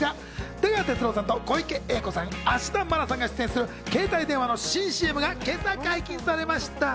出川哲朗さんと小池栄子さん、芦田愛菜さんが出演する携帯電話の新ＣＭが今朝解禁されました。